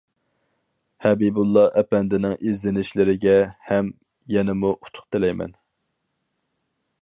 ھەبىبۇللا ئەپەندىنىڭ ئىزدىنىشلىرىگە ھەم يەنىمۇ ئۇتۇق تىلەيمەن.